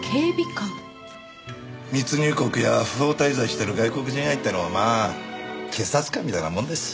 密入国や不法滞在してる外国人相手のまあ警察官みたいなもんです。